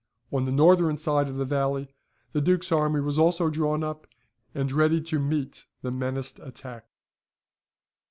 On the northern side of the valley the Duke's army was also drawn up, and ready to meet the menaced attack.